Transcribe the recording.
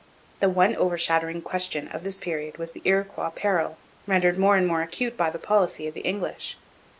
The one overshadowing question of this period was the Iroquois peril, rendered more and more acute by the policy of the English.